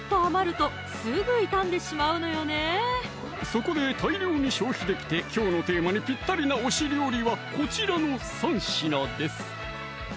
そこで大量に消費できてきょうのテーマにぴったりな推し料理はこちらの３品です